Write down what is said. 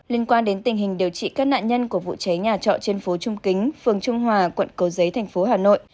liên quan đến tình hình điều trị các nạn nhân của vụ cháy nhà trọ trên phố trung kính phường trung hòa quận cầu giấy thành phố hà nội